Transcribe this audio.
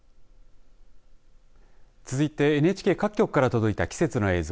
続いてＮＨＫ各局から届いた季節の映像。